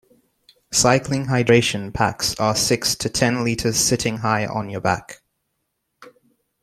Cycling hydration packs are six to ten litres sitting high on your back.